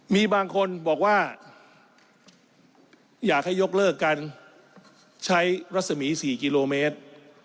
มีบางคนบอกว่าอยากให้ยกเลิกการใช้รัศมี๔กิโลเมตร